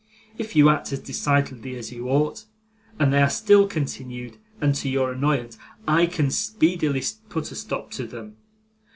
If you act as decidedly as you ought and they are still continued, and to your annoyance, I can speedily put a stop to them.